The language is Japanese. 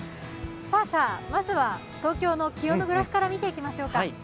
まずは東京の気温のグラフから見ていきましょうか。